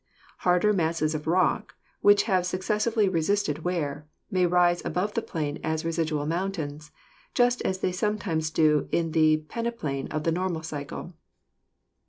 Harder masses of rock, which have successfully resisted wear, may rise above the plain as residual mountains, just as they sometimes do in the peneplain of the normal circle."